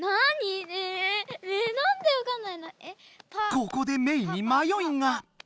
ここでメイにまよいが！